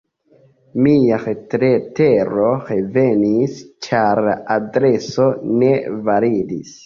Mia retletero revenis, ĉar la adreso ne validis.